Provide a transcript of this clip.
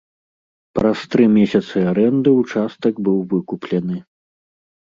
Праз тры месяцы арэнды ўчастак быў выкуплены.